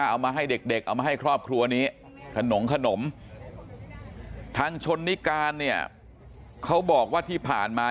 เอามาให้เด็กเอามาให้ครอบครัวนี้ขนมขนมทางชนนิการเนี่ยเขาบอกว่าที่ผ่านมา